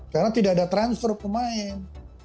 karena tidak ada transfer pemain